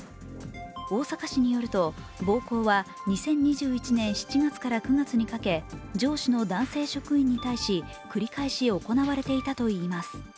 大阪市によると、暴行は２０２１年７月から９月にかけ上司の男性職員に対し繰り返し行われていたといいます。